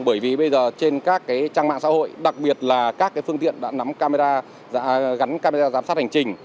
bởi vì bây giờ trên các trang mạng xã hội đặc biệt là các phương tiện đã nắm camera gắn camera giám sát hành trình